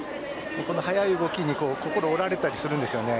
速い動きに心を折られたりするんですよね。